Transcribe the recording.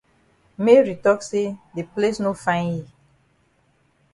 Mary tok say de place no fine yi.